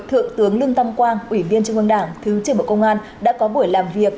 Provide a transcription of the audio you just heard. thượng tướng lương tam quang ủy viên trung ương đảng thứ trưởng bộ công an đã có buổi làm việc